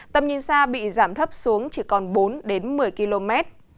tầm nhìn xa bị giảm thấp xuống chỉ còn bốn đến một mươi km